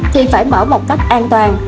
thì phải mở một cách an toàn